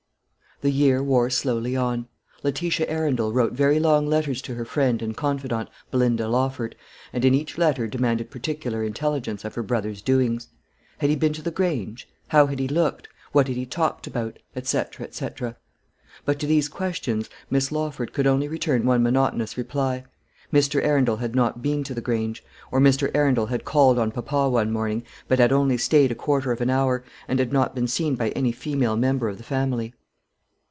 The year wore slowly on. Letitia Arundel wrote very long letters to her friend and confidante, Belinda Lawford, and in each letter demanded particular intelligence of her brother's doings. Had he been to the Grange? how had he looked? what had he talked about? &c., &c. But to these questions Miss Lawford could only return one monotonous reply: Mr. Arundel had not been to the Grange; or Mr. Arundel had called on papa one morning, but had only stayed a quarter of an hour, and had not been seen by any female member of the family.